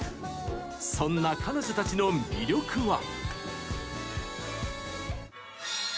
そんな彼女たちの魅力は。